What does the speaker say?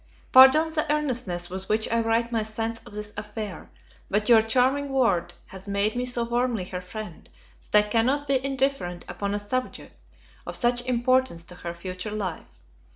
Pardon the earnestness with which I write my sense of this affair; but your charming ward has made me so warmly her friend, that I cannot be indifferent upon a subject of such importance to her future life.